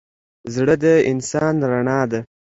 زړه د انسان رڼا ده.